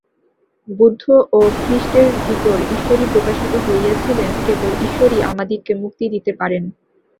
বুদ্ধ ও খ্রীষ্টের ভিতর ঈশ্বরই প্রকাশিত হইয়াছিলেন, কেবল ঈশ্বরই আমাদিগকে মুক্তি দিতে পারেন।